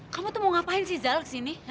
kamu tuh mau ngapain sih zal kesini